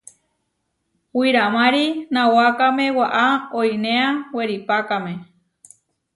Wiramári nawákame waʼá oinéa weripákame.